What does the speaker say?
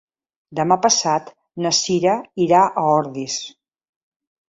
Demà passat na Cira irà a Ordis.